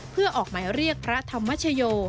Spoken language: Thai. เพื่อออกหมายเรียกพระธรรมชโย